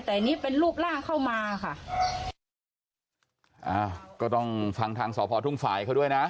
แต่อันนี้เป็นรูปร่างเข้ามาค่ะอ่าก็ต้องฟังทางสพทุ่งฝ่ายเขาด้วยนะ